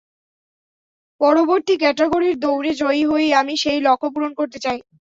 পরবর্তী ক্যাটাগরির দৌড়ে জয়ী হয়েই আমি সেই লক্ষ্য পূরণ করতে চাই।